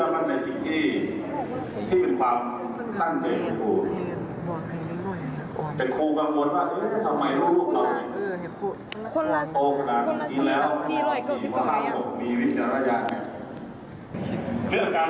คนละสองนะคนละสอง